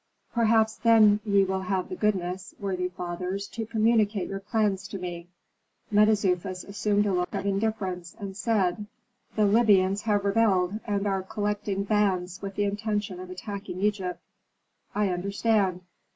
Perhaps then ye will have the goodness, worthy fathers, to communicate your plans to me." Mentezufis assumed a look of indifference, and said, "The Libyans have rebelled and are collecting bands with the intention of attacking Egypt." "I understand."